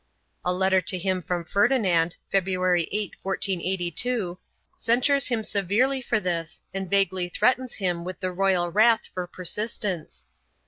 A letter to him from Ferdinand, February 8, 1482, censures him severely for this and vaguely threatens him with the royal wrath for persistence.